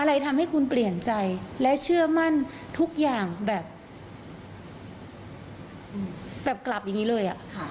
อะไรทำให้คุณเปลี่ยนใจและเชื่อมั่นทุกอย่างแบบกลับอย่างนี้เลย